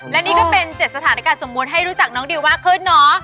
และนี่ก็เป็น๗สถานการณ์สมมุติให้รู้จักน้องดิวมากขึ้นเนาะ